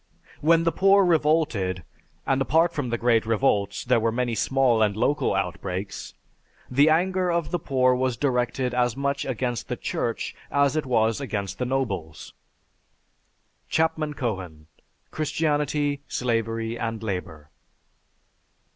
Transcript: When the poor revolted, and apart from the great revolts, there were many small and local outbreaks, the anger of the poor was directed as much against the Church as it was against the nobles." (_C. Cohen: "Christianity, Slavery, and Labor."